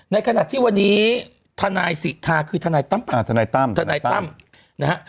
ในขณะที่วันนี้ทนายสิทธาคือทนายตั้มอ่าทนายตั้มทนายตั้มนะฮะ